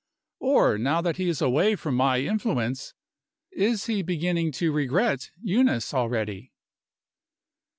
Or, now that he is away from my influence, is he beginning to regret Eunice already?